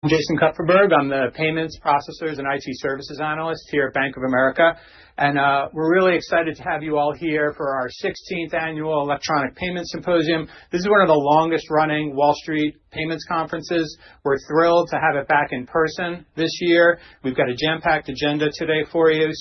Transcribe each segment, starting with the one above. I'm Jason Kupferberg. I'm the Payments Processors and IT Services Analyst here at Bank of America. We're really excited to have you all here for our 16th Annual Electronic Payments Symposium. This is one of the longest-running Wall Street payments conferences. We're thrilled to have it back in person this year. We've got a jam-packed agenda today for you.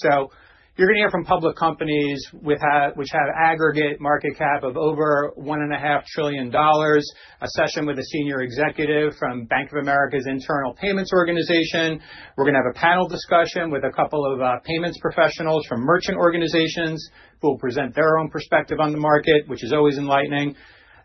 You're going to hear from public companies which have aggregate market cap of over $1.5 trillion, a session with a senior executive from Bank of America's internal payments organization. We're going to have a panel discussion with a couple of payments professionals from merchant organizations who will present their own perspective on the market, which is always enlightening.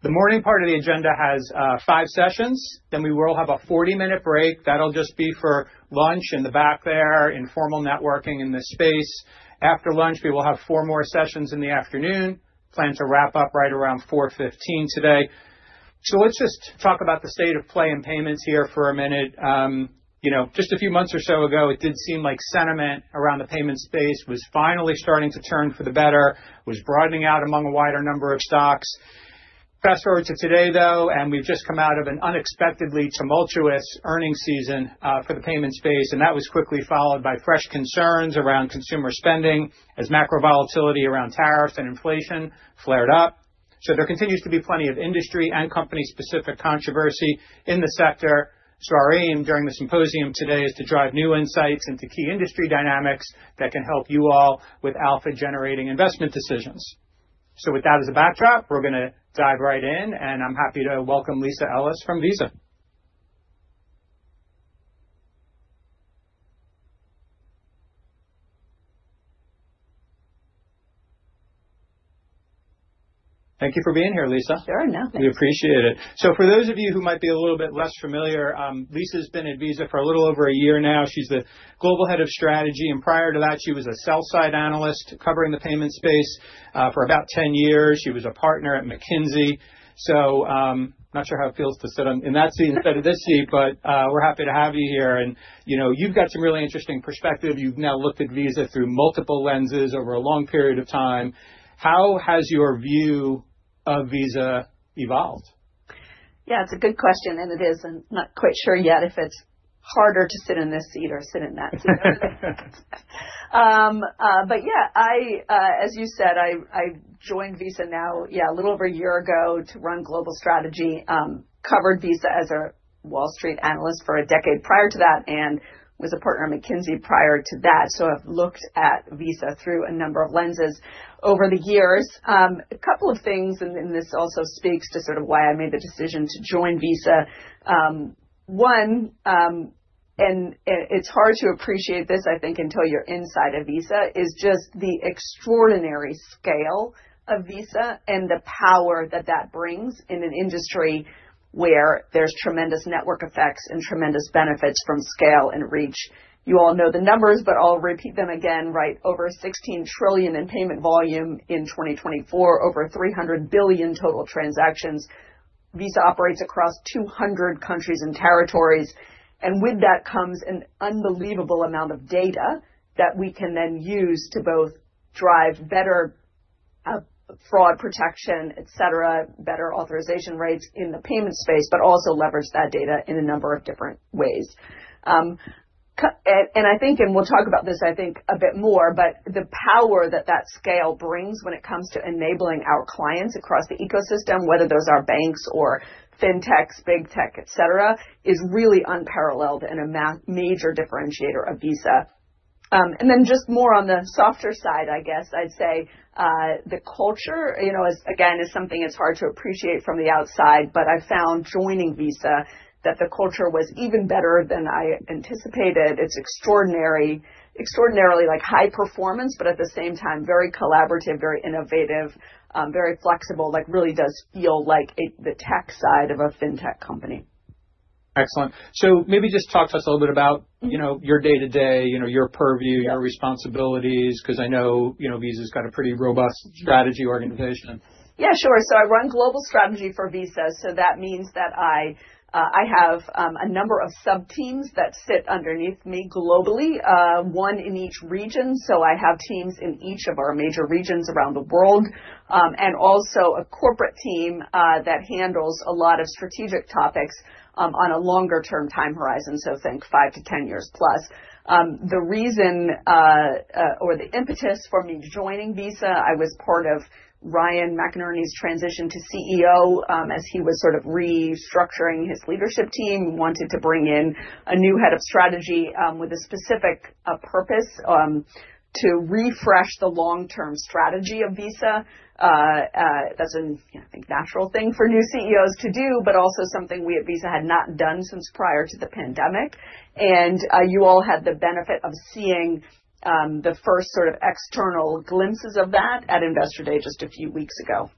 The morning part of the agenda has five sessions. We will have a 40-minute break. That'll just be for lunch in the back there, informal networking in this space. After lunch, we will have four more sessions in the afternoon. Plan to wrap up right around 4:15 today. Let's just talk about the state of play in payments here for a minute. Just a few months or so ago, it did seem like sentiment around the payments space was finally starting to turn for the better, was broadening out among a wider number of stocks. Fast forward to today, though, and we've just come out of an unexpectedly tumultuous earnings season for the payments space. That was quickly followed by fresh concerns around consumer spending as macro volatility around tariffs and inflation flared up. There continues to be plenty of industry and company-specific controversy in the sector. Our aim during the symposium today is to drive new insights into key industry dynamics that can help you all with alpha-generating investment decisions. With that as a backdrop, we're going to dive right in. I'm happy to welcome Lisa Ellis from Visa. Thank you for being here, Lisa. Sure, no thanks. We appreciate it. For those of you who might be a little bit less familiar, Lisa's been at Visa for a little over a year now. She's the Global Head of Strategy. Prior to that, she was a Sell-Side Analyst covering the payments space for about 10 years. She was a Partner at McKinsey. I'm not sure how it feels to sit in that seat instead of this seat. We're happy to have you here. You've got some really interesting perspective. You've now looked at Visa through multiple lenses over a long period of time. How has your view of Visa evolved? Yeah, it's a good question. It is, and I'm not quite sure yet if it's harder to sit in this seat or sit in that seat. Yeah, as you said, I joined Visa now, yeah, a little over a year ago to run global strategy. Covered Visa as a Wall Street analyst for a decade prior to that and was a partner at McKinsey prior to that. So I've looked at Visa through a number of lenses over the years. A couple of things, and this also speaks to sort of why I made the decision to join Visa. One, and it's hard to appreciate this, I think, until you're inside of Visa, is just the extraordinary scale of Visa and the power that that brings in an industry where there's tremendous network effects and tremendous benefits from scale and reach. You all know the numbers, but I'll repeat them again, right? Over $16 trillion in payment volume in 2024, over $300 billion total transactions. Visa operates across 200 countries and territories. With that comes an unbelievable amount of data that we can then use to both drive better fraud protection, et cetera, better authorization rates in the payments space, but also leverage that data in a number of different ways. I think, and we'll talk about this, I think, a bit more, but the power that that scale brings when it comes to enabling our clients across the ecosystem, whether those are banks or fintechs, big tech, et cetera, is really unparalleled and a major differentiator of Visa. Just more on the softer side, I guess I'd say the culture, again, is something it's hard to appreciate from the outside. I found joining Visa that the culture was even better than I anticipated. It's extraordinarily high performance, but at the same time, very collaborative, very innovative, very flexible. It really does feel like the tech side of a fintech company. Excellent. Maybe just talk to us a little bit about your day-to-day, your purview, your responsibilities, because I know Visa's got a pretty robust strategy organization. Yeah, sure. I run global strategy for Visa. That means that I have a number of sub-teams that sit underneath me globally, one in each region. I have teams in each of our major regions around the world and also a corporate team that handles a lot of strategic topics on a longer-term time horizon, so think 5 to 10 years plus. The reason or the impetus for me joining Visa, I was part of Ryan McInerney's transition to CEO as he was sort of restructuring his leadership team. He wanted to bring in a new head of strategy with a specific purpose to refresh the long-term strategy of Visa. That's a, I think, natural thing for new CEOs to do, but also something we at Visa had not done since prior to the pandemic. You all had the benefit of seeing the first sort of external glimpses of that at Investor Day just a few weeks ago.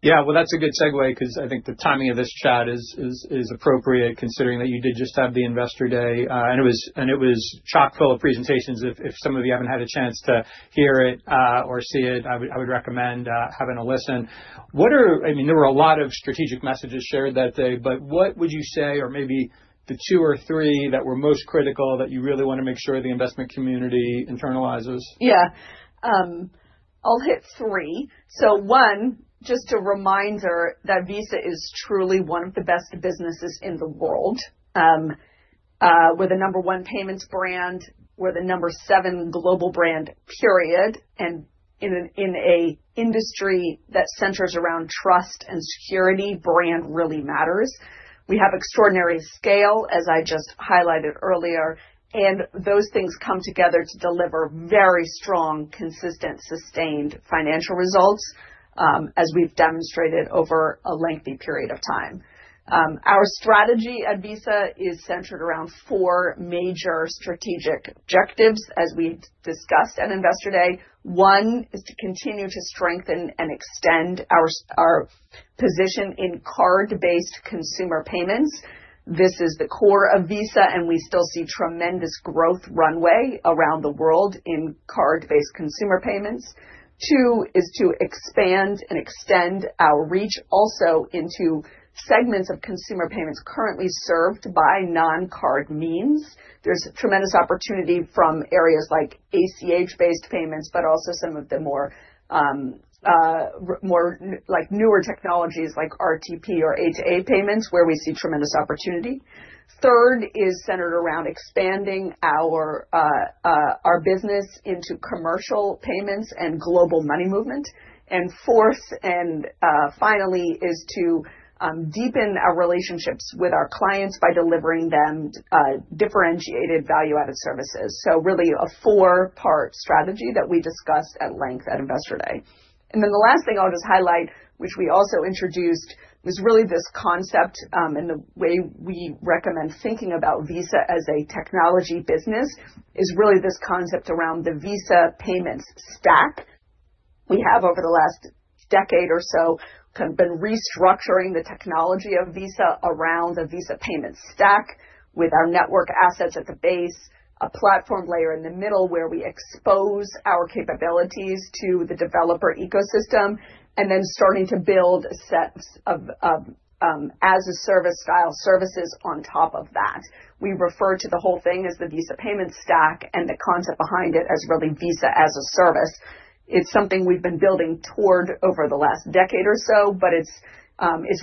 Yeah, that's a good segue because I think the timing of this chat is appropriate considering that you did just have the Investor Day. It was chock-full of presentations. If some of you haven't had a chance to hear it or see it, I would recommend having a listen. I mean, there were a lot of strategic messages shared that day. What would you say are maybe the two or three that were most critical that you really want to make sure the investment community internalizes? Yeah, I'll hit three. One, just a reminder that Visa is truly one of the best businesses in the world. We're the number one payments brand. We're the number seven global brand, period. In an industry that centers around trust and security, brand really matters. We have extraordinary scale, as I just highlighted earlier. Those things come together to deliver very strong, consistent, sustained financial results as we've demonstrated over a lengthy period of time. Our strategy at Visa is centered around four major strategic objectives, as we discussed at Investor Day. One is to continue to strengthen and extend our position in card-based Consumer Payments. This is the core of Visa, and we still see tremendous growth runway around the world in card-based Consumer Payments. Two is to expand and extend our reach also into segments of Consumer Payments currently served by non-card means. There's tremendous opportunity from areas like ACH-based payments, but also some of the more newer technologies like RTP or A2A payments, where we see tremendous opportunity. Third is centered around expanding our business into commercial payments and global money movement. Fourth and finally is to deepen our relationships with our clients by delivering them differentiated Value-Added Services. Really a four-part strategy that we discussed at length at Investor Day. The last thing I'll just highlight, which we also introduced, was really this concept and the way we recommend thinking about Visa as a technology business is really this concept around the Visa Payments Stack. We have, over the last decade or so, kind of been restructuring the technology of Visa around the Visa Payments Stack with our network assets at the base, a platform layer in the middle where we expose our capabilities to the developer ecosystem, and then starting to build sets of as-a-service style services on top of that. We refer to the whole thing as the Visa Payments Stack and the concept behind it as really Visa as a service. It's something we've been building toward over the last decade or so, but it's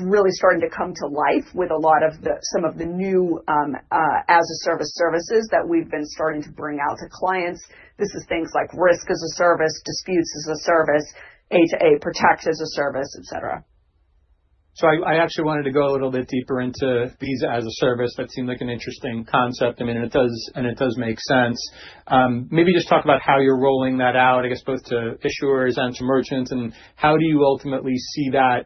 really starting to come to life with a lot of some of the new as-a-service services that we've been starting to bring out to clients. This is things like Risk as a Service, Disputes as a Service, A2A Protect as a Service, et cetera. I actually wanted to go a little bit deeper into Visa as a service. That seemed like an interesting concept. I mean, and it does make sense. Maybe just talk about how you're rolling that out, I guess, both to issuers and to merchants. How do you ultimately see that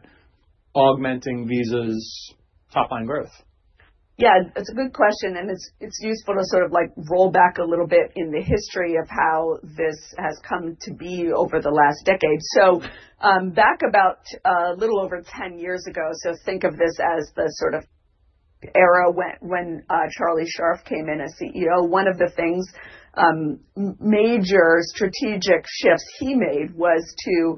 augmenting Visa's top-line growth? Yeah, it's a good question. It's useful to sort of roll back a little bit in the history of how this has come to be over the last decade. Back about a little over 10 years ago, think of this as the sort of era when Charlie Scharf came in as CEO. One of the things, major strategic shifts he made was to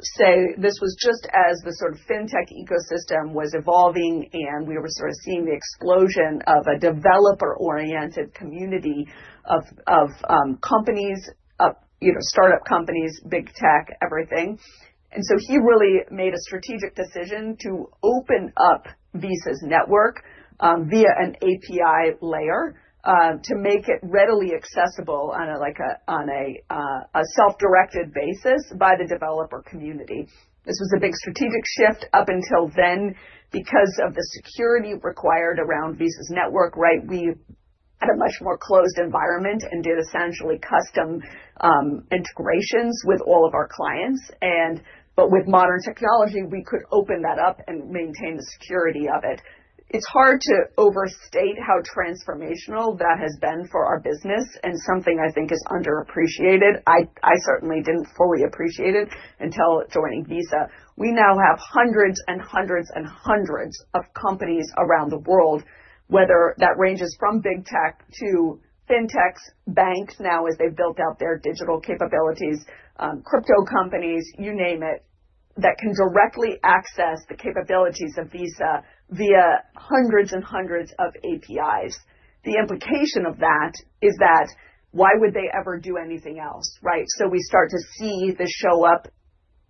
say this was just as the sort of fintech ecosystem was evolving and we were sort of seeing the explosion of a developer-oriented community of companies, startup companies, big tech, everything. He really made a strategic decision to open up Visa's network via an API layer to make it readily accessible on a self-directed basis by the developer community. This was a big strategic shift up until then because of the security required around Visa's network, right? We had a much more closed environment and did essentially custom integrations with all of our clients. With modern technology, we could open that up and maintain the security of it. It's hard to overstate how transformational that has been for our business and something I think is underappreciated. I certainly didn't fully appreciate it until joining Visa. We now have hundreds and hundreds and hundreds of companies around the world, whether that ranges from big tech to fintechs, banks now as they've built out their digital capabilities, crypto companies, you name it, that can directly access the capabilities of Visa via hundreds and hundreds of APIs. The implication of that is that why would they ever do anything else, right? We start to see this show up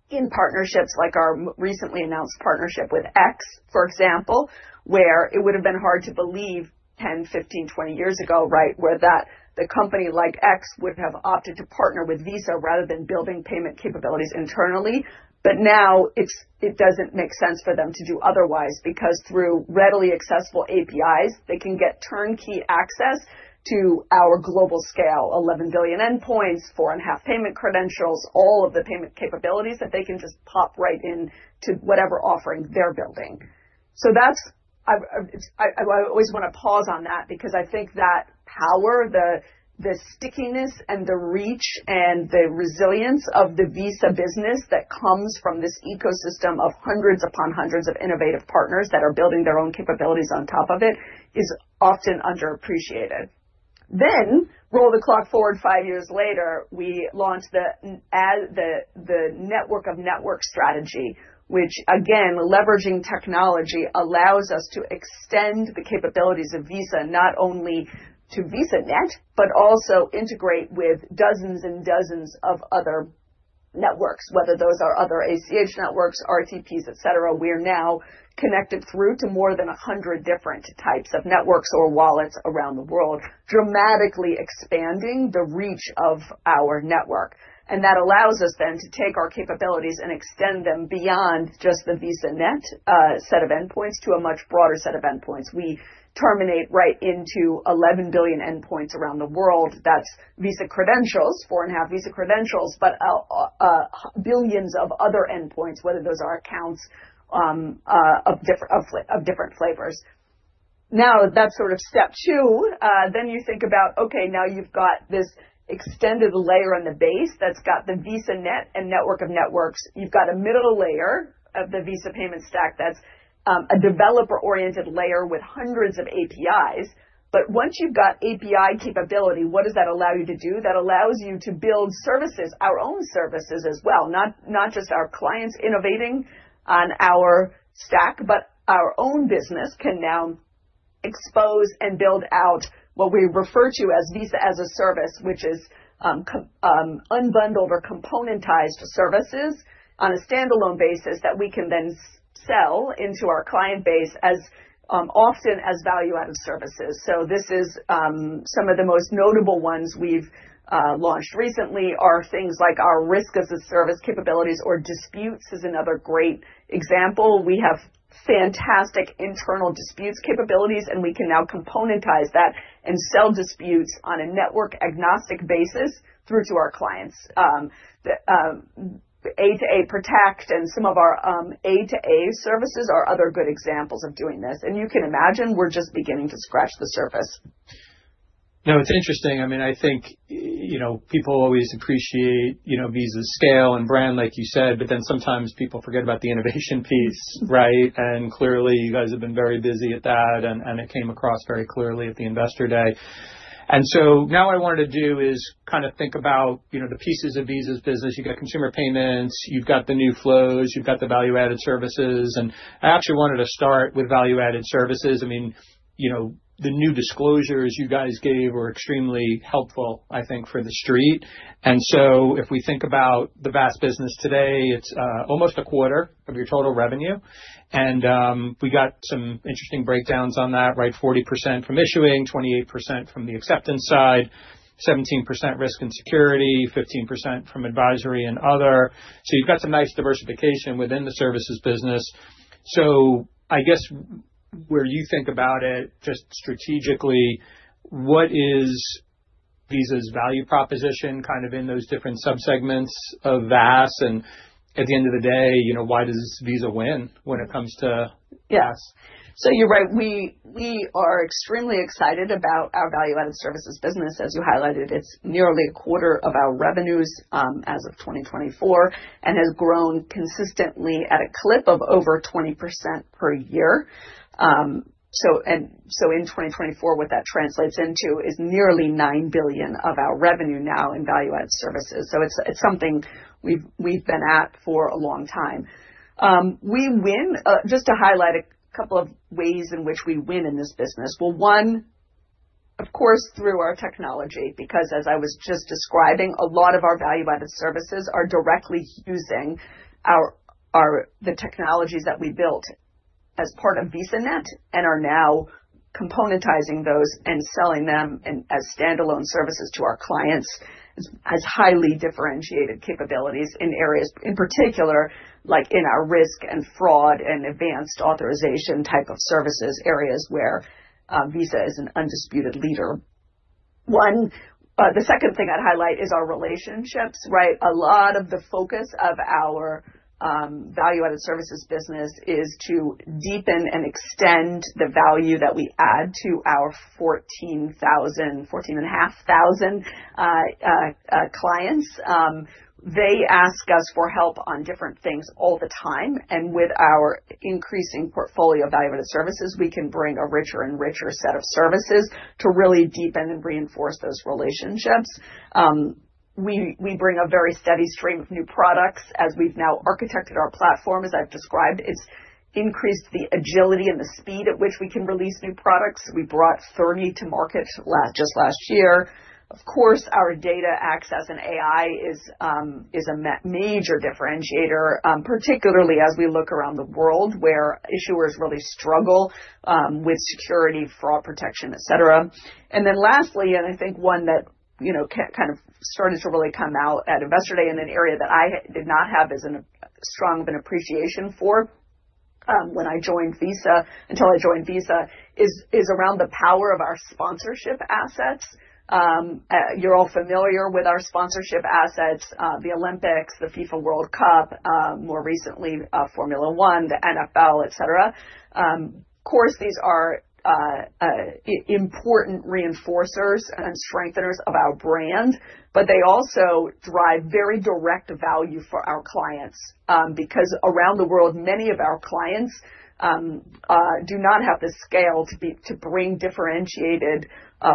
in partnerships like our recently announced partnership with X, for example, where it would have been hard to believe 10, 15, 20 years ago, right, where a company like X would have opted to partner with Visa rather than building payment capabilities internally. Now it does not make sense for them to do otherwise because through readily accessible APIs, they can get turnkey access to our global scale, 11 billion endpoints, four and a half billion payment credentials, all of the payment capabilities that they can just pop right into whatever offering they are building. I always want to pause on that because I think that power, the stickiness, and the reach and the resilience of the Visa business that comes from this ecosystem of hundreds upon hundreds of innovative partners that are building their own capabilities on top of it is often underappreciated. Roll the clock forward five years later, we launched the Network of Networks strategy, which, again, leveraging technology allows us to extend the capabilities of Visa not only to VisaNet, but also integrate with dozens and dozens of other networks, whether those are other ACH networks, RTPs, et cetera. We are now connected through to more than 100 different types of networks or wallets around the world, dramatically expanding the reach of our network. That allows us then to take our capabilities and extend them beyond just the VisaNet set of endpoints to a much broader set of endpoints. We terminate right into 11 billion endpoints around the world. That's Visa Credentials, four and a half Visa Credentials, but billions of other endpoints, whether those are accounts of different flavors. Now, that's sort of step two. You think about, okay, now you've got this extended layer on the base that's got the VisaNet and Network of Networks. You've got a middle layer of the Visa Payments Stack that's a developer-oriented layer with hundreds of APIs. Once you've got API capability, what does that allow you to do? That allows you to build services, our own services as well, not just our clients innovating on our stack, but our own business can now expose and build out what we refer to as Visa as a Service, which is unbundled or componentized services on a standalone basis that we can then sell into our client base as often as Value-Added Services. Some of the most notable ones we have launched recently are things like our Risk as a Service capabilities, or disputes is another great example. We have fantastic internal disputes capabilities, and we can now componentize that and sell disputes on a network-agnostic basis through to our clients. A2A Protect and some of our A2A services are other good examples of doing this. You can imagine we are just beginning to scratch the surface. No, it's interesting. I mean, I think people always appreciate Visa's scale and brand, like you said, but then sometimes people forget about the innovation piece, right? Clearly, you guys have been very busy at that, and it came across very clearly at the Investor Day. Now what I wanted to do is kind of think about the pieces of Visa's business. You've got Consumer Payments, you've got the New Flows, you've got the Value-Added Services. I actually wanted to start with Value-Added Services. I mean, the new disclosures you guys gave were extremely helpful, I think, for the street. If we think about the VAS business today, it's almost a quarter of your total revenue. We got some interesting breakdowns on that, right? 40% from issuing, 28% from the acceptance side, 17% risk and security, 15% from advisory and other. You have got some nice diversification within the services business. I guess where you think about it just strategically, what is Visa's value proposition kind of in those different subsegments of VAS? At the end of the day, why does Visa win when it comes to VAS? Yeah. You are right. We are extremely excited about our Value-Added Services business, as you highlighted. It is nearly a quarter of our revenues as of 2024 and has grown consistently at a clip of over 20% per year. In 2024, what that translates into is nearly $9 billion of our revenue now in Value-Added Services. It is something we have been at for a long time. We win, just to highlight a couple of ways in which we win in this business. Of course, through our technology, because as I was just describing, a lot of our Value-Added Services are directly using the technologies that we built as part of VisaNet and are now componentizing those and selling them as standalone services to our clients as highly differentiated capabilities in areas, in particular, like in our risk and fraud and advanced authorization type of services, areas where Visa is an undisputed leader. The second thing I'd highlight is our relationships, right? A lot of the focus of our Value-Added Services business is to deepen and extend the value that we add to our 14,000-14,500 clients. They ask us for help on different things all the time. With our increasing portfolio of Value-Added Services, we can bring a richer and richer set of services to really deepen and reinforce those relationships. We bring a very steady stream of new products as we've now architected our platform, as I've described. It's increased the agility and the speed at which we can release new products. We brought 30 to market just last year. Of course, our data access and AI is a major differentiator, particularly as we look around the world where issuers really struggle with security, fraud protection, et cetera. Lastly, and I think one that kind of started to really come out at Investor Day in an area that I did not have as strong of an appreciation for when I joined Visa until I joined Visa is around the power of our sponsorship assets. You're all familiar with our sponsorship assets, the Olympics, the FIFA World Cup, more recently Formula 1, the NFL, et cetera. Of course, these are important reinforcers and strengtheners of our brand, but they also drive very direct value for our clients because around the world, many of our clients do not have the scale to bring differentiated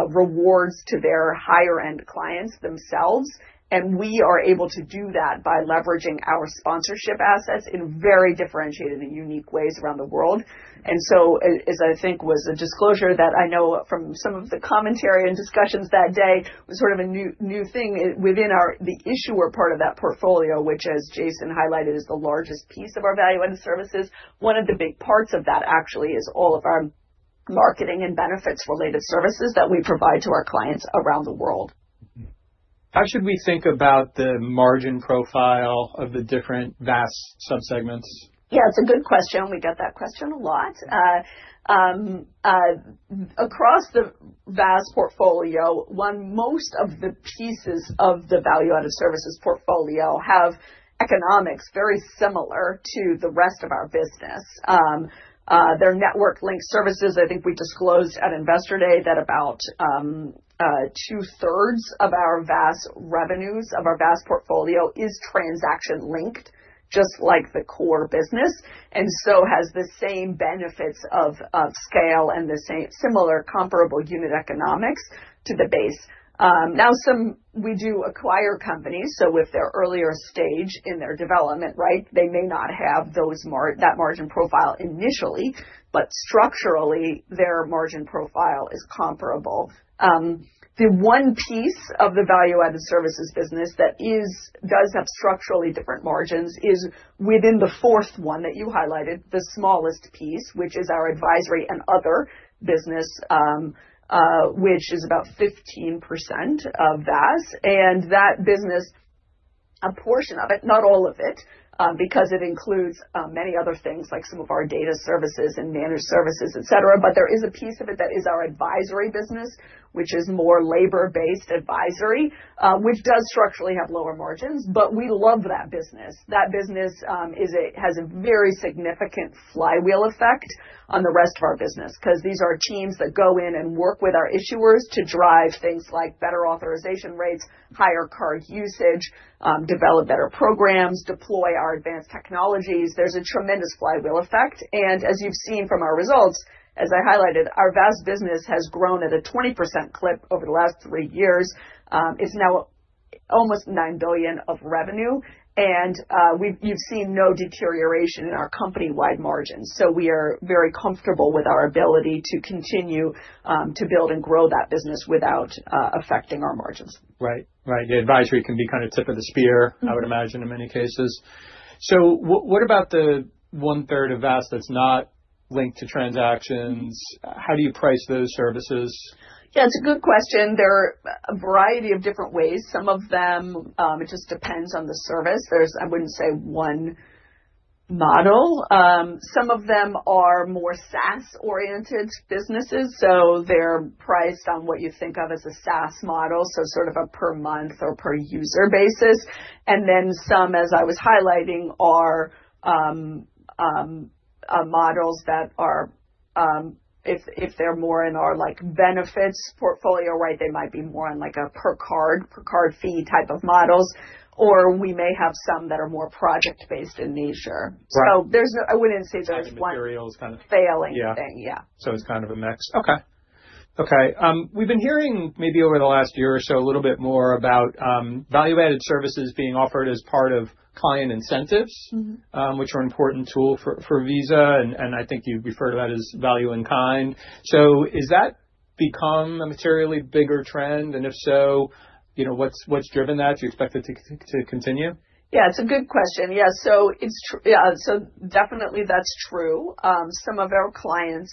rewards to their higher-end clients themselves. We are able to do that by leveraging our sponsorship assets in very differentiated and unique ways around the world. As I think was a disclosure that I know from some of the commentary and discussions that day, it was sort of a new thing within the issuer part of that portfolio, which, as Jason highlighted, is the largest piece of our Value-Added Services. One of the big parts of that actually is all of our marketing and benefits-related services that we provide to our clients around the world. How should we think about the margin profile of the different VAS subsegments? Yeah, it's a good question. We get that question a lot. Across the VAS portfolio, most of the pieces of the Value-Added Services portfolio have economics very similar to the rest of our business. Their network-linked services, I think we disclosed at Investor Day that about two-thirds of our VAS revenues of our VAS portfolio is transaction-linked, just like the core business. It has the same benefits of scale and the similar comparable unit economics to the base. Now, we do acquire companies. If they're earlier stage in their development, right, they may not have that margin profile initially, but structurally, their margin profile is comparable. The one piece of the Value-Added Services business that does have structurally different margins is within the fourth one that you highlighted, the smallest piece, which is our advisory and other business, which is about 15% of VAS. That business, a portion of it, not all of it, because it includes many other things like some of our data services and managed services, et cetera. There is a piece of it that is our advisory business, which is more labor-based advisory, which does structurally have lower margins, but we love that business. That business has a very significant flywheel effect on the rest of our business because these are teams that go in and work with our issuers to drive things like better authorization rates, higher card usage, develop better programs, deploy our advanced technologies. There is a tremendous flywheel effect. As you have seen from our results, as I highlighted, our VAS business has grown at a 20% clip over the last three years. It is now almost $9 billion of revenue. You have seen no deterioration in our company-wide margins. We are very comfortable with our ability to continue to build and grow that business without affecting our margins. Right. Right. The advisory can be kind of tip of the spear, I would imagine, in many cases. What about the one-third of VAS that's not linked to transactions? How do you price those services? Yeah, it's a good question. There are a variety of different ways. Some of them, it just depends on the service. I wouldn't say one model. Some of them are more SaaS-oriented businesses. So they're priced on what you think of as a SaaS model, so sort of a per month or per user basis. Then some, as I was highlighting, are models that are, if they're more in our benefits portfolio, right, they might be more on like a per card, per card fee type of models. Or we may have some that are more project-based in nature. I wouldn't say there's one. Project materials kind of. Failing thing. Yeah. It's kind of a mix. Okay. Okay. We've been hearing maybe over the last year or so a little bit more about Value-Added Services being offered as part of client incentives, which are an important tool for Visa. I think you refer to that as value in kind. Has that become a materially bigger trend? If so, what's driven that? Do you expect it to continue? Yeah, it's a good question. Yeah. Definitely that's true. Some of our clients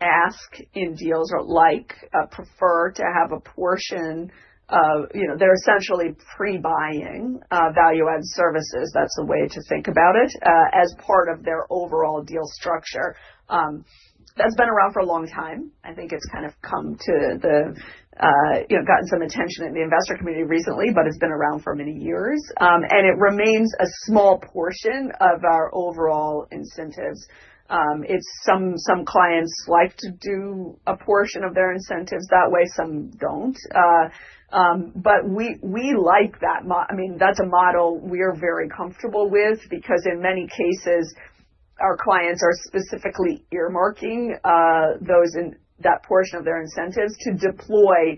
ask in deals or like prefer to have a portion of their essentially pre-buying Value-Added Services. That's a way to think about it as part of their overall deal structure. That's been around for a long time. I think it's kind of gotten some attention in the investor community recently, but it's been around for many years. It remains a small portion of our overall incentives. Some clients like to do a portion of their incentives that way. Some don't. We like that. I mean, that's a model we are very comfortable with because in many cases, our clients are specifically earmarking that portion of their incentives to deploy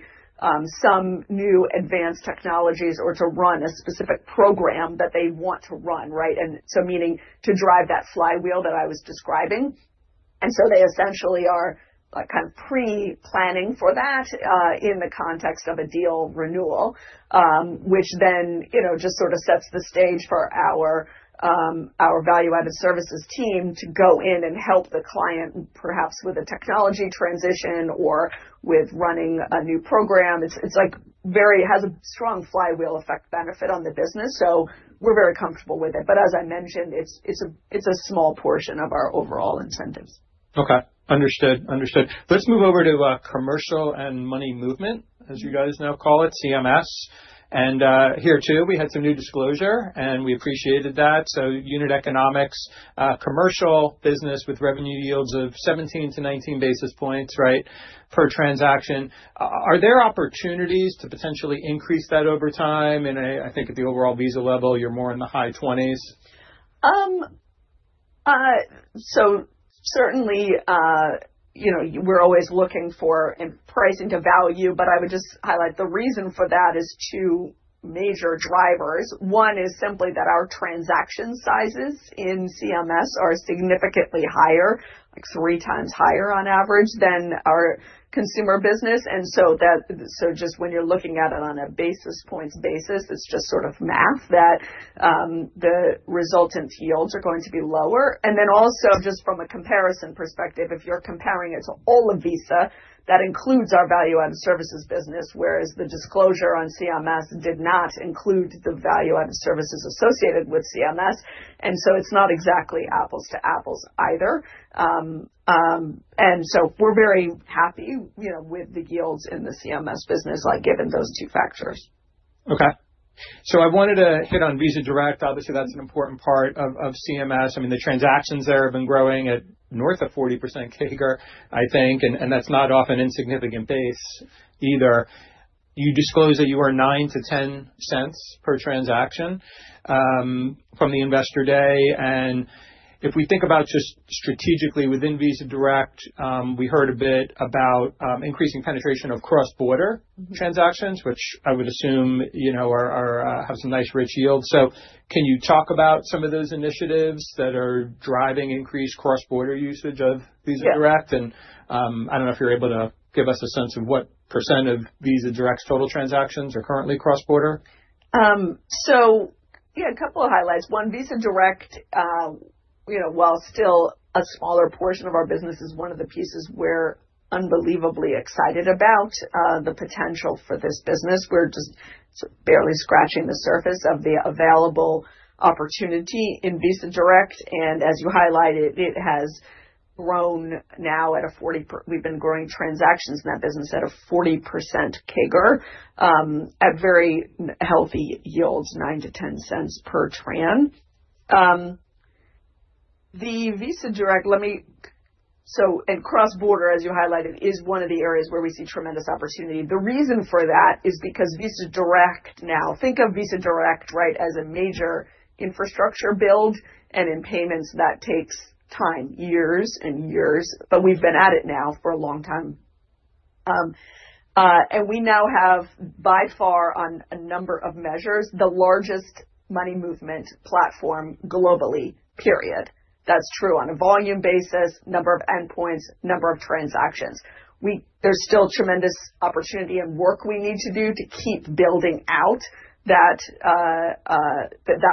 some new advanced technologies or to run a specific program that they want to run, right? Meaning to drive that flywheel that I was describing. They essentially are kind of pre-planning for that in the context of a deal renewal, which just sets the stage for our Value-Added Services team to go in and help the client, perhaps with a technology transition or with running a new program. It has a very strong flywheel effect benefit on the business. We are very comfortable with it. As I mentioned, it is a small portion of our overall incentives. Okay. Understood. Understood. Let's move over to Commercial and Money Movement, as you guys now call it, CMS. Here too, we had some new disclosure, and we appreciated that. Unit economics, commercial business with revenue yields of 17-19 basis points, right, per transaction. Are there opportunities to potentially increase that over time? I think at the overall Visa level, you're more in the high 20s. Certainly, we're always looking for pricing to value, but I would just highlight the reason for that is two major drivers. One is simply that our transaction sizes in CMS are significantly higher, like three times higher on average than our consumer business. Just when you're looking at it on a basis points basis, it's just sort of math that the resultant yields are going to be lower. Also, just from a comparison perspective, if you're comparing it to all of Visa, that includes our Value-Added Services business, whereas the disclosure on CMS did not include the Value-Added Services associated with CMS. It's not exactly apples to apples either. We're very happy with the yields in the CMS business, given those two factors. Okay. I wanted to hit on Visa Direct. Obviously, that's an important part of CMS. I mean, the transactions there have been growing at north of 40% CAGR, I think. That's not off an insignificant base either. You disclosed that you earn $0.09-$0.10 per transaction from the investor day. If we think about just strategically within Visa Direct, we heard a bit about increasing penetration of cross-border transactions, which I would assume have some nice rich yields. Can you talk about some of those initiatives that are driving increased cross-border usage of Visa Direct? I don't know if you're able to give us a sense of what percent of Visa Direct's total transactions are currently cross-border. Yeah, a couple of highlights. One, Visa Direct, while still a smaller portion of our business, is one of the pieces we're unbelievably excited about the potential for this business. We're just barely scratching the surface of the available opportunity in Visa Direct. As you highlighted, it has grown now at a 40—we've been growing transactions in that business at a 40% CAGR at very healthy yields, $0.09-$0.10 per tran. Visa Direct, and cross-border, as you highlighted, is one of the areas where we see tremendous opportunity. The reason for that is because Visa Direct now, think of Visa Direct, right, as a major infrastructure build in payments that takes time, years and years, but we've been at it now for a long time. We now have, by far, on a number of measures, the largest money movement platform globally, period. That is true on a volume basis, number of endpoints, number of transactions. There is still tremendous opportunity and work we need to do to keep building out that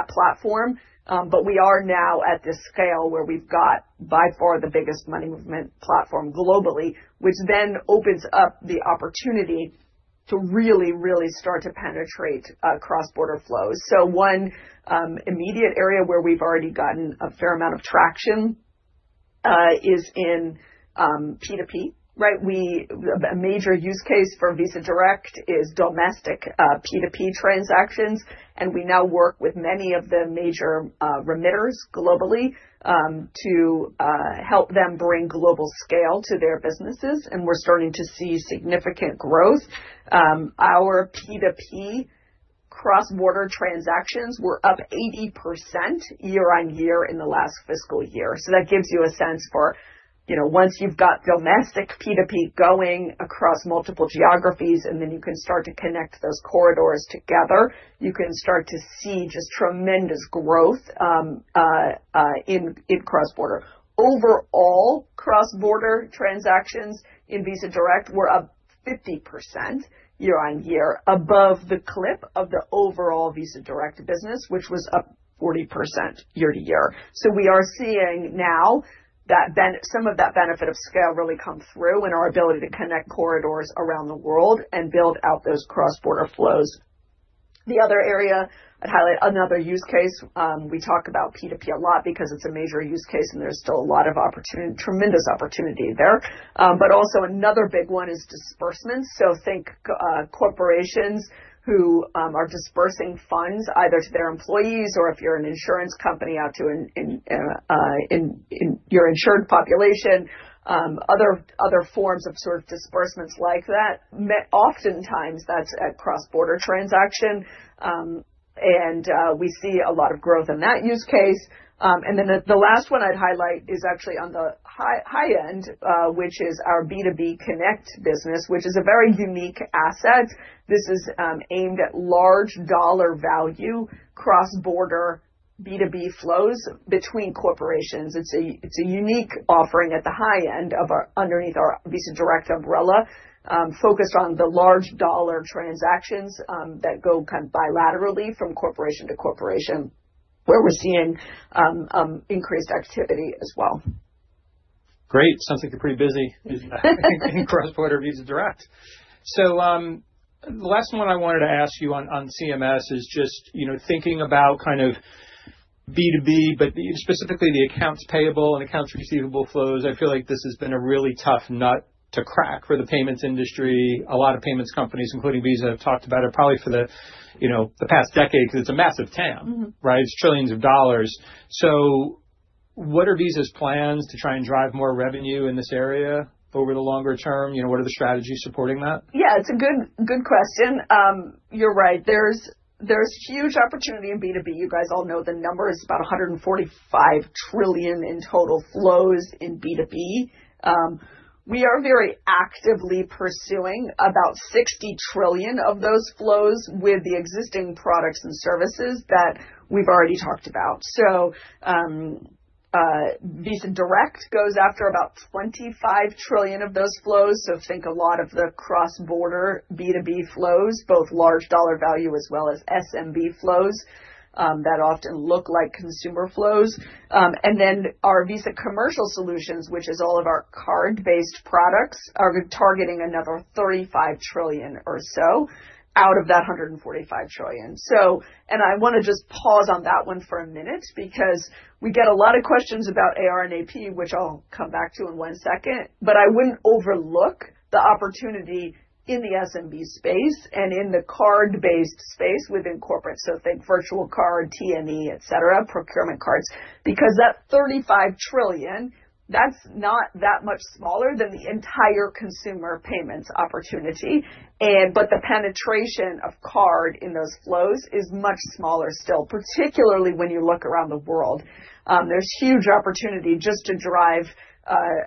platform. We are now at this scale where we have by far the biggest money movement platform globally, which then opens up the opportunity to really, really start to penetrate cross-border flows. One immediate area where we have already gotten a fair amount of traction is in P2P, right? A major use case for Visa Direct is domestic P2P transactions. We now work with many of the major remitters globally to help them bring global scale to their businesses. We are starting to see significant growth. Our P2P cross-border transactions were up 80% year on year in the last fiscal year. That gives you a sense for once you've got domestic P2P going across multiple geographies, and then you can start to connect those corridors together, you can start to see just tremendous growth in cross-border. Overall, cross-border transactions in Visa Direct were up 50% year on year above the clip of the overall Visa Direct business, which was up 40% year to year. We are seeing now that some of that benefit of scale really come through in our ability to connect corridors around the world and build out those cross-border flows. The other area I'd highlight, another use case, we talk about P2P a lot because it's a major use case and there's still a lot of opportunity, tremendous opportunity there. Also, another big one is disbursements. Think corporations who are disbursing funds either to their employees or if you're an insurance company out to your insured population, other forms of sort of disbursements like that. Oftentimes, that's a cross-border transaction. We see a lot of growth in that use case. The last one I'd highlight is actually on the high end, which is our B2B Connect business, which is a very unique asset. This is aimed at large dollar value cross-border B2B flows between corporations. It's a unique offering at the high end underneath our Visa Direct umbrella, focused on the large dollar transactions that go kind of bilaterally from corporation to corporation, where we're seeing increased activity as well. Great. Sounds like you're pretty busy in cross-border Visa Direct. The last one I wanted to ask you on CMS is just thinking about kind of B2B, but specifically the accounts payable and accounts receivable flows. I feel like this has been a really tough nut to crack for the payments industry. A lot of payments companies, including Visa, have talked about it probably for the past decade because it's a massive TAM, right? It's trillions of dollars. What are Visa's plans to try and drive more revenue in this area over the longer term? What are the strategies supporting that? Yeah, it's a good question. You're right. There's huge opportunity in B2B. You guys all know the number is about $145 trillion in total flows in B2B. We are very actively pursuing about $60 trillion of those flows with the existing products and services that we've already talked about. Visa Direct goes after about $25 trillion of those flows. Think a lot of the cross-border B2B flows, both large dollar value as well as SMB flows that often look like consumer flows. Our Visa Commercial Solutions, which is all of our card-based products, are targeting another $35 trillion or so out of that $145 trillion. I want to just pause on that one for a minute because we get a lot of questions about AR and AP, which I'll come back to in one second. I would not overlook the opportunity in the SMB space and in the card-based space within corporate. Think virtual card, T&E, procurement cards. That $35 trillion is not that much smaller than the entire Consumer Payments opportunity. The penetration of card in those flows is much smaller still, particularly when you look around the world. There is huge opportunity just to drive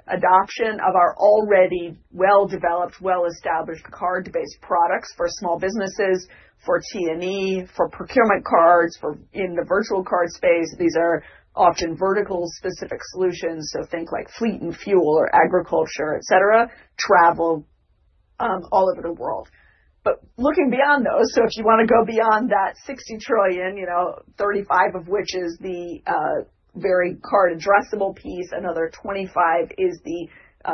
adoption of our already well-developed, well-established card-based products for small businesses, for T&E, for procurement cards, for the virtual card space. These are often vertical-specific solutions. Think like fleet and fuel or agriculture, travel all over the world. Looking beyond those, if you want to go beyond that $60 trillion, $35 trillion of which is the very card addressable piece, another $25 trillion is the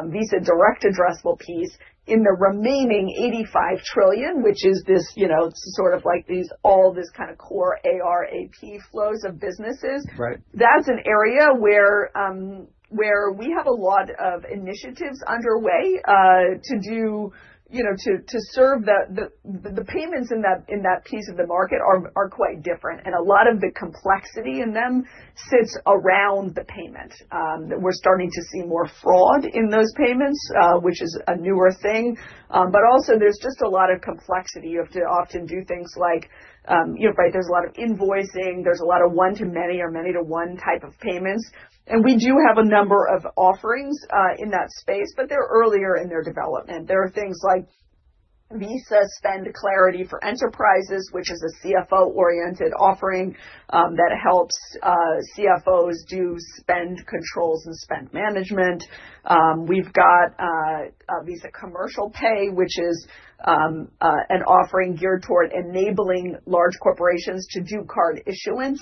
Visa Direct addressable piece. In the remaining $85 trillion, which is this sort of like all this kind of core AR, AP flows of businesses, that's an area where we have a lot of initiatives underway to do to serve the payments in that piece of the market are quite different. A lot of the complexity in them sits around the payment. We're starting to see more fraud in those payments, which is a newer thing. Also, there's just a lot of complexity. You have to often do things like, right, there's a lot of invoicing, there's a lot of one-to-many or many-to-one type of payments. We do have a number of offerings in that space, but they're earlier in their development. There are things like Visa Spend Clarity for Enterprises, which is a CFO-oriented offering that helps CFOs do spend controls and spend management. We've got Visa Commercial Pay, which is an offering geared toward enabling large corporations to do card issuance,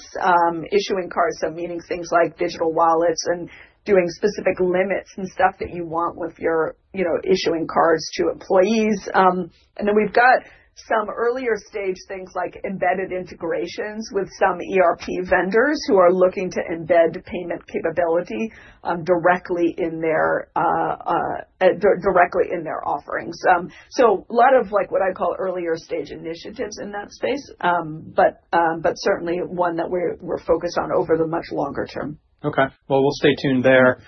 issuing cards, so meaning things like digital wallets and doing specific limits and stuff that you want with your issuing cards to employees. We have some earlier stage things like embedded integrations with some ERP vendors who are looking to embed payment capability directly in their offerings. A lot of what I call earlier stage initiatives in that space, but certainly one that we're focused on over the much longer term. Okay. We'll stay tuned there.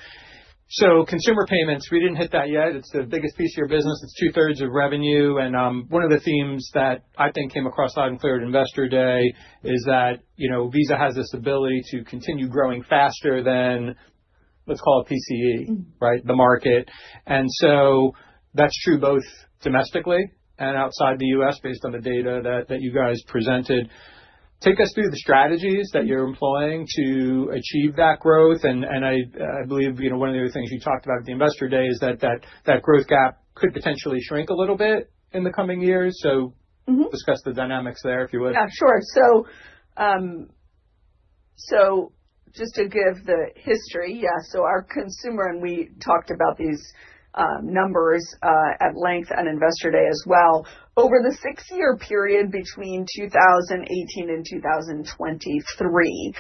Consumer Payments, we didn't hit that yet. It's the biggest piece of your business. It's two-thirds of revenue. One of the themes that I think came across loud and clear at Investor Day is that Visa has this ability to continue growing faster than, let's call it, PCE, right, the market. That's true both domestically and outside the U.S., based on the data that you guys presented. Take us through the strategies that you're employing to achieve that growth. I believe one of the other things you talked about at the Investor Day is that that growth gap could potentially shrink a little bit in the coming years. Discuss the dynamics there, if you would. Yeah, sure. Just to give the history, yeah, our consumer, and we talked about these numbers at length on Investor Day as well. Over the six-year period between 2018 and 2023,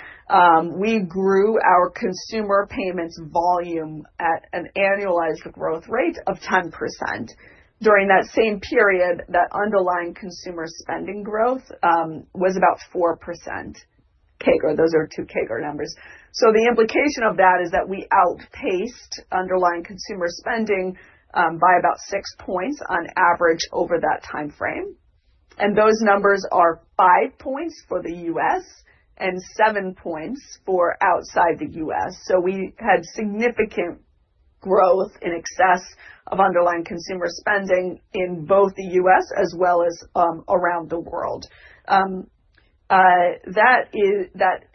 we grew our Consumer Payments volume at an annualized growth rate of 10%. During that same period, that underlying consumer spending growth was about 4% CAGR. Those are two CAGR numbers. The implication of that is that we outpaced underlying consumer spending by about six points on average over that timeframe. Those numbers are five points for the U.S. and seven points for outside the U.S. We had significant growth in excess of underlying consumer spending in both the U.S. as well as around the world. That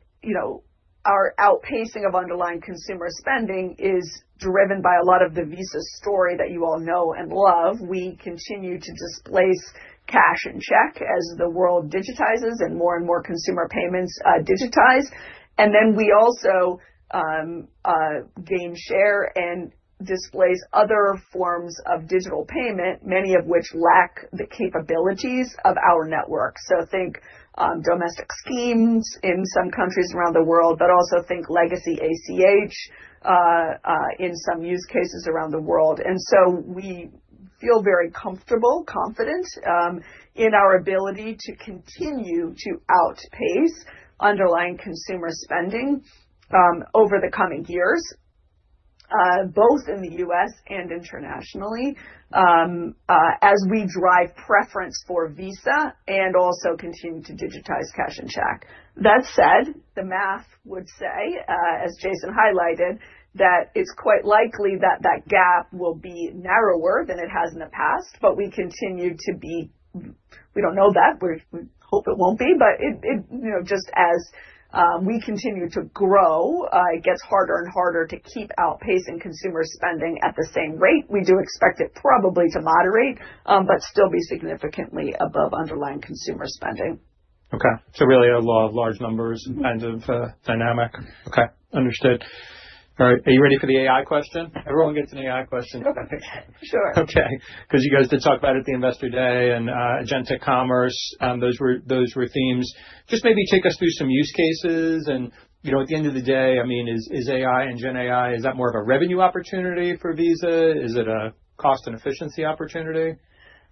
our outpacing of underlying consumer spending is driven by a lot of the Visa story that you all know and love. We continue to displace cash and check as the world digitizes and more and more Consumer Payments digitize. We also gain share and displace other forms of digital payment, many of which lack the capabilities of our network. Think domestic schemes in some countries around the world, but also think legacy ACH in some use cases around the world. We feel very comfortable, confident in our ability to continue to outpace underlying consumer spending over the coming years, both in the U.S. and internationally, as we drive preference for Visa and also continue to digitize cash and check. That said, the math would say, as Jason highlighted, that it is quite likely that that gap will be narrower than it has in the past, but we continue to be we do not know that. We hope it won't be, but just as we continue to grow, it gets harder and harder to keep outpacing consumer spending at the same rate. We do expect it probably to moderate, but still be significantly above underlying consumer spending. Okay. Really a lot of large numbers kind of dynamic. Okay. Understood. All right. Are you ready for the AI question? Everyone gets an AI question. Sure. Okay. Because you guys did talk about it at the Investor Day and Agentic Commerce. Those were themes. Just maybe take us through some use cases. At the end of the day, I mean, is AI and GenAI, is that more of a revenue opportunity for Visa? Is it a cost and efficiency opportunity?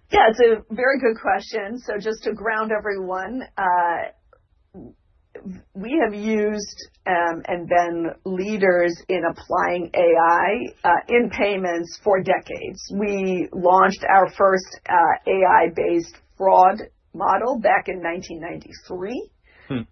Yeah, it's a very good question. Just to ground everyone, we have used and been leaders in applying AI in payments for decades. We launched our first AI-based fraud model back in 1993.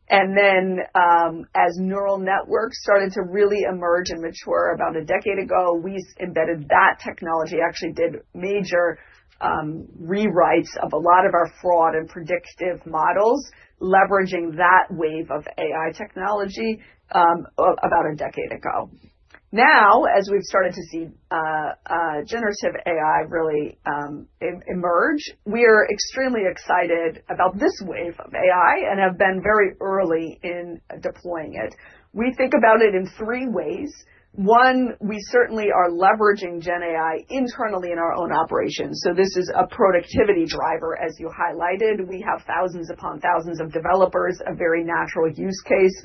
As neural networks started to really emerge and mature about a decade ago, we embedded that technology, actually did major rewrites of a lot of our fraud and predictive models, leveraging that wave of AI technology about a decade ago. Now, as we've started to see generative AI really emerge, we are extremely excited about this wave of AI and have been very early in deploying it. We think about it in three ways. One, we certainly are leveraging GenAI internally in our own operations. This is a productivity driver, as you highlighted. We have thousands upon thousands of developers. A very natural use case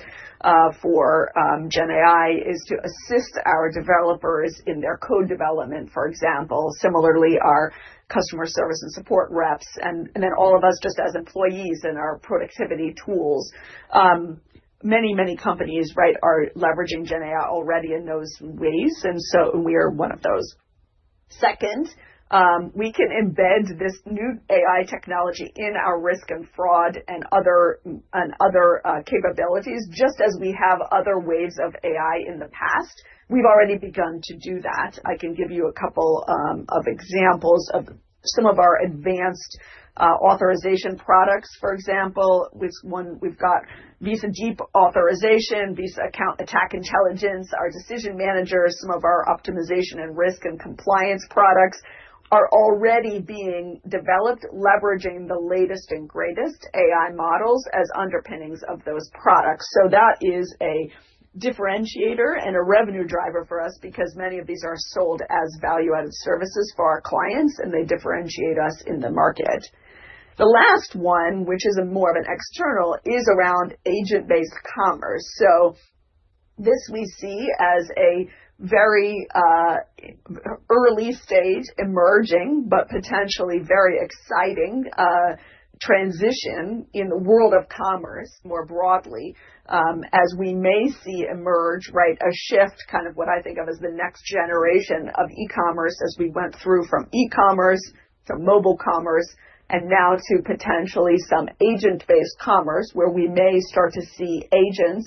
for GenAI is to assist our developers in their code development, for example. Similarly, our customer service and support reps, and then all of us just as employees and our productivity tools. Many, many companies, right, are leveraging GenAI already in those ways. We are one of those. Second, we can embed this new AI technology in our risk and fraud and other capabilities, just as we have other waves of AI in the past. We have already begun to do that. I can give you a couple of examples of some of our advanced authorization products, for example. We have got Visa Deep Authorization, Visa Account Attack Intelligence, our Decision Managers, some of our optimization and risk and compliance products are already being developed, leveraging the latest and greatest AI models as underpinnings of those products. That is a differentiator and a revenue driver for us because many of these are sold as Value-Added Services for our clients, and they differentiate us in the market. The last one, which is more of an external, is around agent-based commerce. This we see as a very early stage emerging, but potentially very exciting transition in the world of commerce more broadly, as we may see emerge, right, a shift, kind of what I think of as the next generation of e-commerce as we went through from e-commerce to mobile commerce and now to potentially some agent-based commerce where we may start to see agents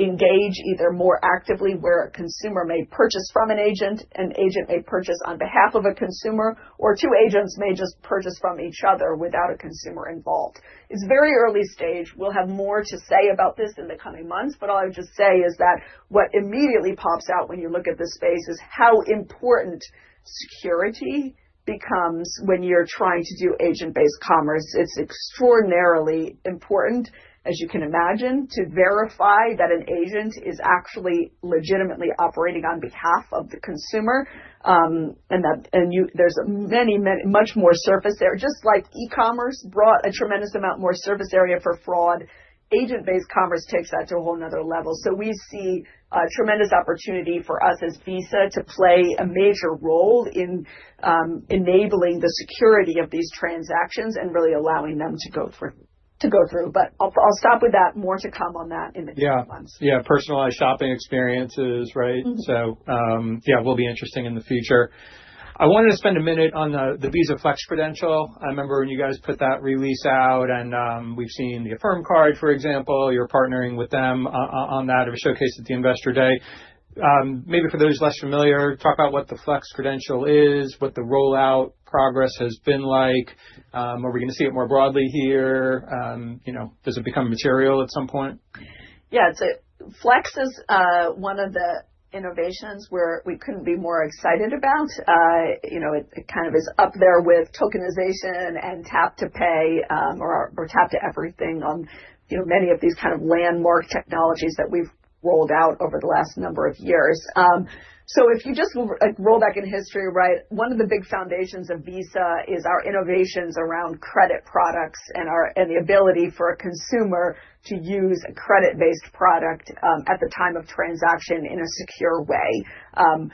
engage either more actively where a consumer may purchase from an agent, an agent may purchase on behalf of a consumer, or two agents may just purchase from each other without a consumer involved. It's very early stage. We'll have more to say about this in the coming months, but all I would just say is that what immediately pops out when you look at this space is how important security becomes when you're trying to do agent-based commerce. It's extraordinarily important, as you can imagine, to verify that an agent is actually legitimately operating on behalf of the consumer. There's many, many much more surface there. Just like e-commerce brought a tremendous amount more surface area for fraud, agent-based commerce takes that to a whole nother level. We see a tremendous opportunity for us as Visa to play a major role in enabling the security of these transactions and really allowing them to go through. I'll stop with that. More to come on that in the coming months. Yeah. Personalized shopping experiences, right? Yeah, will be interesting in the future. I wanted to spend a minute on the Visa Flex Credential. I remember when you guys put that release out and we've seen the Affirm Card, for example, you're partnering with them on that. It was showcased at the Investor Day. Maybe for those less familiar, talk about what the Flex Credential is, what the rollout progress has been like. Are we going to see it more broadly here? Does it become material at some point? Yeah. Flex is one of the innovations where we could not be more excited about. It kind of is up there with tokenization and tap to pay or Tap to Everything on many of these kind of landmark technologies that we have rolled out over the last number of years. If you just roll back in history, right, one of the big foundations of Visa is our innovations around credit products and the ability for a consumer to use a credit-based product at the time of transaction in a secure way.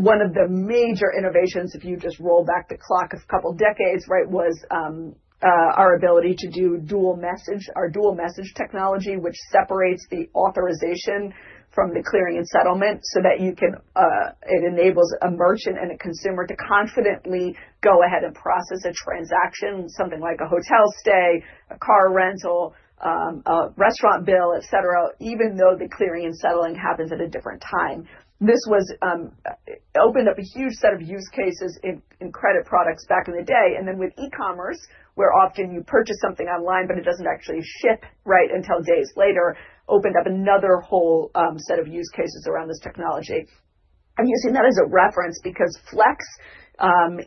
One of the major innovations, if you just roll back the clock a couple of decades, right, was our ability to do dual message, our dual message technology, which separates the authorization from the clearing and settlement so that it enables a merchant and a consumer to confidently go ahead and process a transaction, something like a hotel stay, a car rental, a restaurant bill, etc., even though the clearing and settling happens at a different time. This opened up a huge set of use cases in credit products back in the day. With e-commerce, where often you purchase something online, but it doesn't actually ship, right, until days later, opened up another whole set of use cases around this technology. I'm using that as a reference because Flex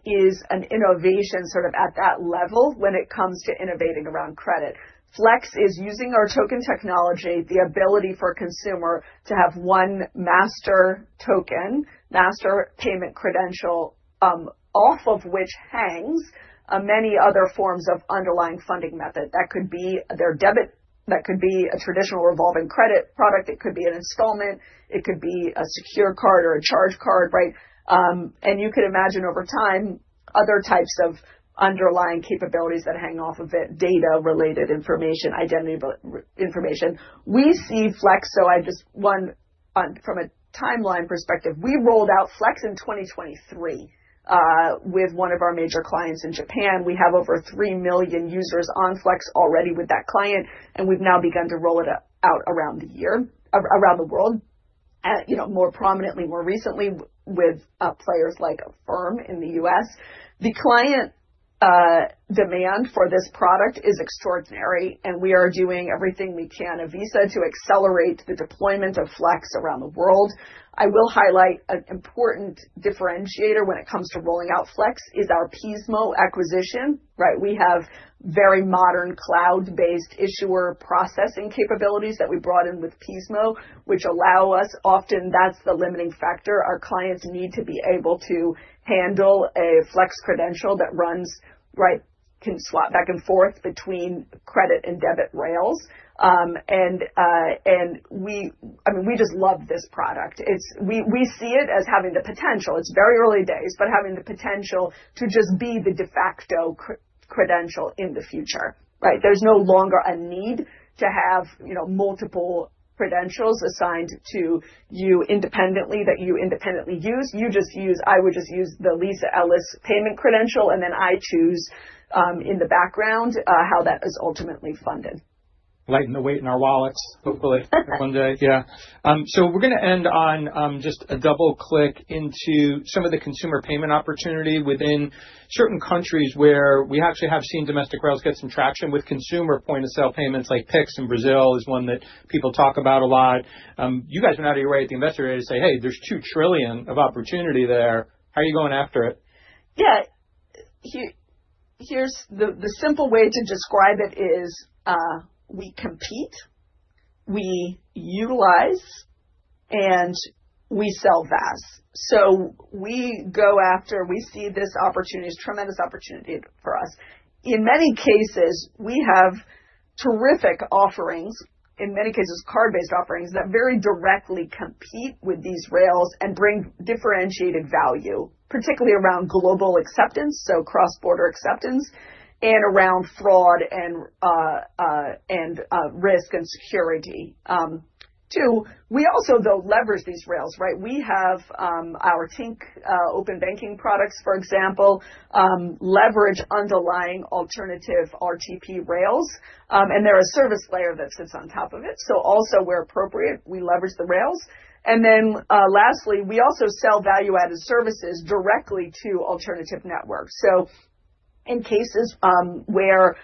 is an innovation sort of at that level when it comes to innovating around credit. Flex is using our token technology, the ability for a consumer to have one master token, master payment credential, off of which hangs many other forms of underlying funding method. That could be their debit, that could be a traditional revolving credit product, it could be an installment, it could be a secure card or a charge card, right? You could imagine over time, other types of underlying capabilities that hang off of it, data-related information, identity information. We see Flex, so just one from a timeline perspective, we rolled out Flex in 2023 with one of our major clients in Japan. We have over 3 million users on Flex already with that client, and we have now begun to roll it out around the world, more prominently, more recently with players like Affirm in the U.S.. The client demand for this product is extraordinary, and we are doing everything we can at Visa to accelerate the deployment of Flex around the world. I will highlight an important differentiator when it comes to rolling out Flex is our Pismo acquisition, right? We have very modern cloud-based issuer processing capabilities that we brought in with Pismo, which allow us often, that's the limiting factor. Our clients need to be able to handle a Flex Credential that runs, right, can swap back and forth between credit and debit rails. I mean, we just love this product. We see it as having the potential. It's very early days, but having the potential to just be the de facto credential in the future, right? There's no longer a need to have multiple credentials assigned to you independently that you independently use. You just use, I would just use the Lisa Ellis payment credential, and then I choose in the background how that is ultimately funded. Lighten the weight in our wallets, hopefully, one day. Yeah. We're going to end on just a double click into some of the Consumer Payment opportunity within certain countries where we actually have seen domestic rails get some traction with consumer point of sale payments like Pix in Brazil is one that people talk about a lot. You guys went out of your way at the Investor Day to say, "Hey, there's $2 trillion of opportunity there. How are you going after it? Yeah. Here's the simple way to describe it is we compete, we utilize, and we sell VAS. We go after, we see this opportunity is a tremendous opportunity for us. In many cases, we have terrific offerings, in many cases, card-based offerings that very directly compete with these rails and bring differentiated value, particularly around global acceptance, so cross-border acceptance, and around fraud and risk and security. Two, we also, though, leverage these rails, right? We have our Tink Open Banking products, for example, leverage underlying alternative RTP rails, and there are service layers that sit on top of it. Also, where appropriate, we leverage the rails. Lastly, we also sell Value-Added Services directly to alternative networks. In cases where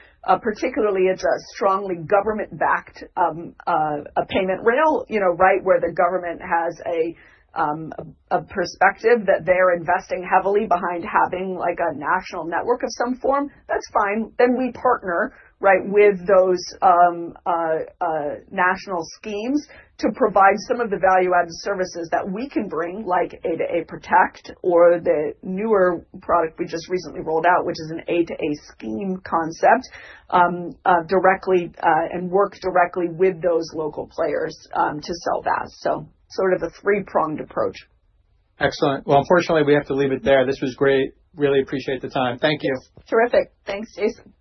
particularly it's a strongly government-backed payment rail, right, where the government has a perspective that they're investing heavily behind having a national network of some form, that's fine. Then we partner, right, with those national schemes to provide some of the Value-Added Services that we can bring, like A2A Protect or the newer product we just recently rolled out, which is an A2A Scheme Concept, directly and work directly with those local players to sell that. Sort of a three-pronged approach. Excellent. Unfortunately, we have to leave it there. This was great. Really appreciate the time. Thank you. Terrific. Thanks, Jason.